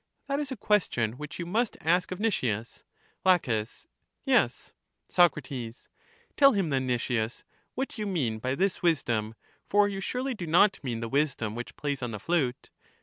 That is a question which you must ask of Nicias. La. Yes. Soc. Tell him then, Nicias, what you mean by this wisdom ; for you surely do not mean the wisdom which plays on the flute?